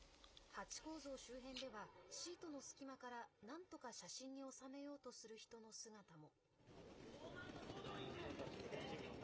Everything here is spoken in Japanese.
ハチ公像周辺ではシュートの隙間から何とか写真に収めようとする人の姿も。